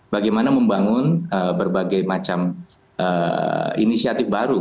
bagaimana membangun berbagai macam inisiatif baru